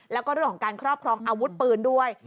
แล้วก็เรื่องของการครอบครองอาวุธปืนด้วย